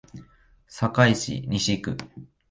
堺市西区